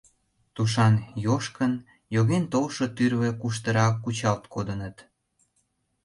Тушан йошкын, йоген толшо тӱрлӧ куштыра кучалт кодыныт.